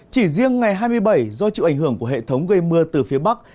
chỉ riêng ngày hai mươi bảy do chịu ảnh hưởng của hệ thống gây mưa từ phía bắc